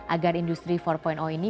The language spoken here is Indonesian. agar industri empat ini